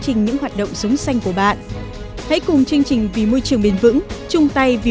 trình những hoạt động sống xanh của bạn hãy cùng chương trình vì môi trường bền vững chung tay vì